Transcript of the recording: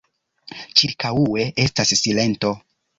Ĉirkaŭe estas silento.